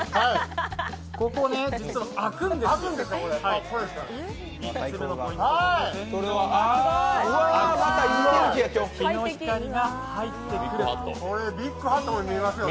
ここ実は開くんですよ。